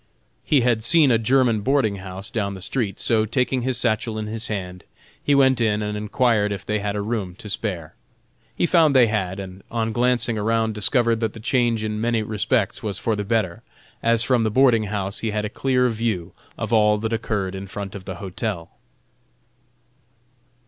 He had seen a German boarding house down the street, so taking his satchel in his hand, he went in and enquired if they had a room to spare. He found they had, and on glancing around discovered that the change in many respects was for the better, as from the boarding house he had a clear view of all that occurred in front of the hotel.